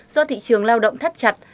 do thị trường lao động thắt chặt